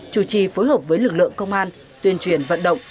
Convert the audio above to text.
chủ trì phối hợp với lực lượng công an tuyên truyền vận động